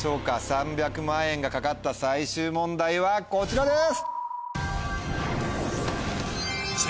３００万円が懸かった最終問題はこちらです！